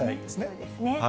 そうですね。